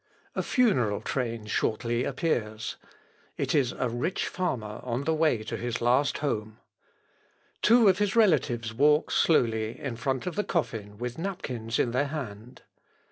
A funeral train shortly appears: it is a rich farmer on the way to his last home. Two of his relatives walk slowly in front of the coffin with napkins in their hand.